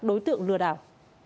đối tượng lừa đảo